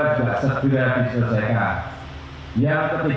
tadi juga sudah sampaikan ke pak jiruddin ii